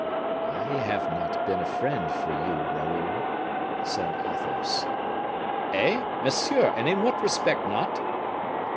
"I have not been a friend for you, Raoul," said Athos. "Eh! monsieur, and in what respect not?"